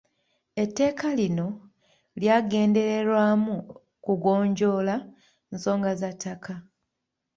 Etteeka lino lyagendererwamu kugonjoola nsonga za ttaka.